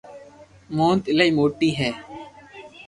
مونٽ ايلائي موٽي ھي